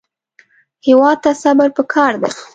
هېواد ته صبر پکار دی